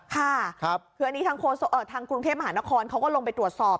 ค่ะคืออันนี้ทางกรุงเทพมหานครเขาก็ลงไปตรวจสอบ